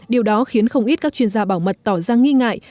điều đó khiến không ít các chuyên gia bảo mật tỏ ra nghi ngại